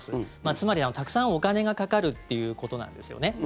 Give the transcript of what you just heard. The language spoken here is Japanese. つまり、たくさんお金がかかるっていうことなんですよね。